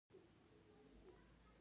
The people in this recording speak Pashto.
دا غشا د حجرې سایتوپلازم احاطه کړی دی.